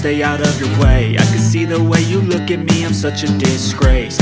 lu rasain pembalasan gua